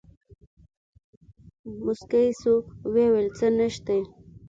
موسکى سو ويې ويل سه نيشتې.